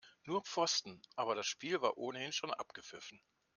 Nur Pfosten, aber das Spiel war ohnehin schon abgepfiffen.